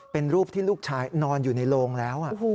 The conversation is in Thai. เป็นรูปที่ลูกชายนอนอยู่ในโรงแล้ว